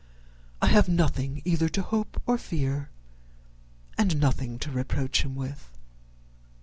I have nothing either to hope or fear, and nothing to reproach him with.